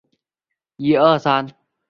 目前保存在库宾卡博物馆。